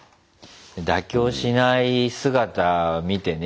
妥協しない姿見てね